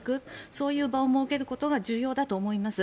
そういう場を設けることが重要だと思います。